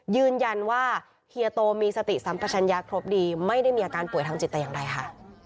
ยืนยันว่าเฮียโตมีสติสัมปชัญญาครบดีไม่ได้มีอาการป่วยทางจิตแต่อย่างใดค่ะ